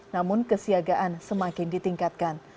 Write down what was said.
namun kesiagaan semakin ditingkatkan